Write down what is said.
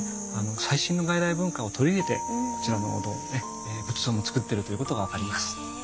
最新の外来文化を取り入れてこちらのお堂仏像も造ってるということが分かります。